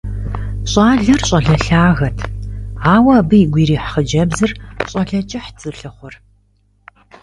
Щӏалэр щӏалэ лъагэт, ауэ абы игу ирихь хъыджэбзыр щӏалэ кӏыхьт зылъыхъур.